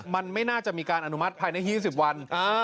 มันไม่น่าจะมีการอนุมัติภายใน๒๐วัน